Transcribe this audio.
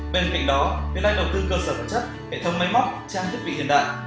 bên cạnh đó vietlite đầu tư cơ sở phẩm chất hệ thống máy móc trang thiết bị hiện đại